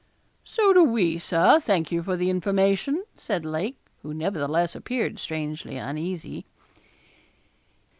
'So do we, Sir; thank you for the information,' said Lake, who nevertheless appeared strangely uneasy.